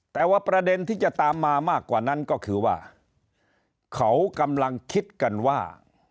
แต่ว่าประเด็นที่จะตามมามากกว่านั้นก็คือว่าเขากำลังคิดกันว่า